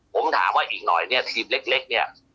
ผมถามว่าอีกหน่อยเนี่ยทีมเล็กเนี่ย